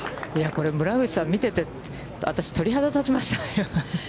村口さん、見てて、私、鳥肌が立ちました。